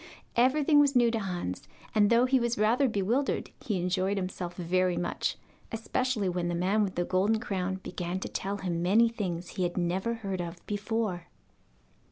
Everything was new to Hans, and though he was rather bewildered he enjoyed himself very much, especially when the man with the golden crown began to tell him many things he had never heard of before.